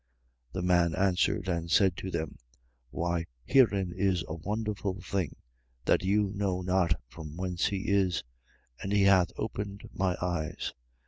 9:30. The man answered and said to them: why, herein is a wonderful thing, that you know not from whence he is, and he hath opened my eyes.